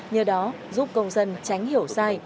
như đó giúp công dân tránh hiểu sai